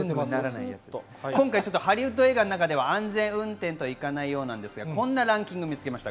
今回ハリウッド映画の中では安全運転とはいかないようですが、こんなランキングを見つけました。